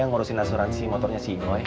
ngerusin asuransi motornya si idoi